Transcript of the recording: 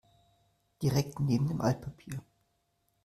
Direkt neben dem Altpapier.